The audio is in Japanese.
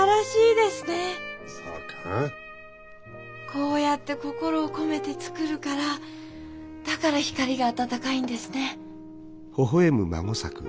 こうやって心を込めて作るからだから光があたたかいんですね。